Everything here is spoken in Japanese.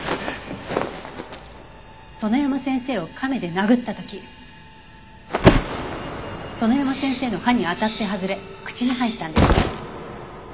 園山先生を亀で殴った時園山先生の歯に当たって外れ口に入ったんです。